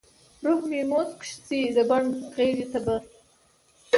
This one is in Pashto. روح به مې موسک شي د بڼ غیږته به ،